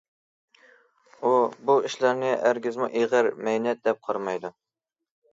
ئۇ بۇ ئىشلارنى ھەرگىزمۇ ئېغىر، مەينەت دەپ قارىمايدۇ.